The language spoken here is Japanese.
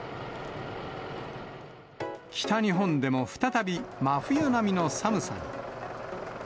北日本でも、再び真冬並みの寒さに。